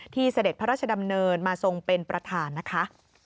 เสด็จพระราชดำเนินมาทรงเป็นประธานนะคะ